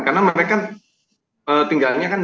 karena mereka tinggalnya kan